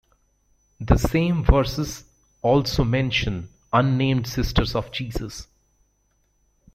The same verses also mention unnamed sisters of Jesus.